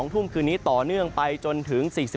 ทุ่มคืนนี้ต่อเนื่องไปจนถึง๔๑